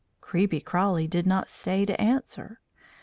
Creepy Crawly did not stay to answer.